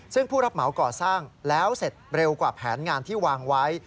ซึ่งผู้รับเหมาก่อสร้างแล้วเสร็จเร็วกว่าแผนงานที่วางไว้